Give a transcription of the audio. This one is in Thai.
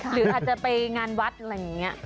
หรืออาจจะไปงานวัดอะไรอย่างนี้